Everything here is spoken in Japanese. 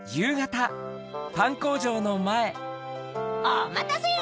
おまたせ！